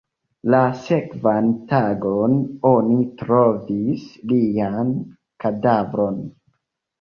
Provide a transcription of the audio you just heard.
La sekvan tagon, oni trovis lian kadavron.